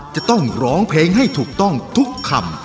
จะต้องร้องเพลงให้ถูกต้องทุกคำ